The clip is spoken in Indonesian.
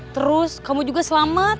terus kamu juga selamat